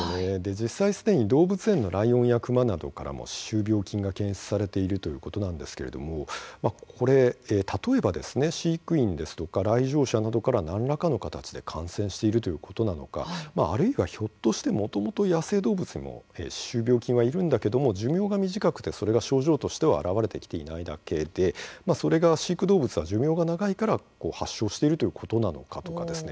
実際すでに動物園のライオンやクマなどからも歯周病菌が検出されているということなんですけれども例えば、飼育員ですとか来場者などから何らかの形で感染しているということなのかあるいは、ひょっとしてもともと野生動物も歯周病菌はいるんだけれども寿命が短くてそれが症状としては現れてきていないだけでそれが飼育動物は寿命が長いから発症しているということなのかとかですね